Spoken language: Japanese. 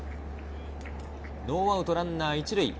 ノーアウトランナーは１塁。